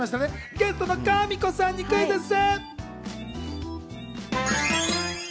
ゲストのかみこさんにクイズッス！